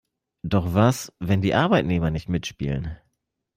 Doch was, wenn die Arbeitnehmer nicht mitspielen?